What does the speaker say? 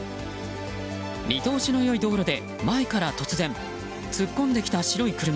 見通しの良い道路で前から突然突っ込んできた白い車。